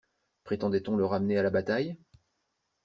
Prétendait-on le ramener à la bataille?